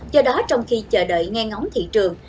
do đó trong khi chờ đợi ngang ngóng thị trường